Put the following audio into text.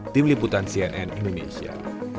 tim liputan cnn indonesia